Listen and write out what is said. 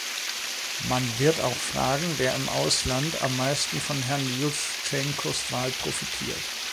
Man wird auch fragen, wer im Ausland am meisten von Herrn Juschtschenkos Wahl profitiert.